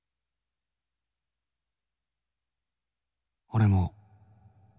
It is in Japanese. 俺も。